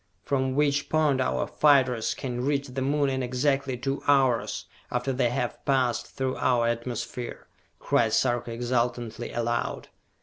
"From which point our fighters can reach the Moon in exactly two hours, after they have passed through our atmosphere!" cried Sarka exultantly, aloud.